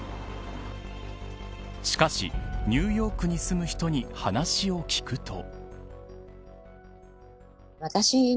しかし、ニューヨークに住む人に話を聞くと。